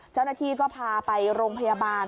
เจ้าหน้าที่ก็พาไปโรงพยาบาล